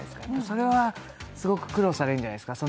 それはすごく苦労されるんじゃないですか